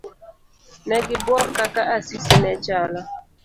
Negibuok kaka Asisi nechalo.